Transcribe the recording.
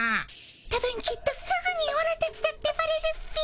たぶんきっとすぐにオラたちだってバレるっピ。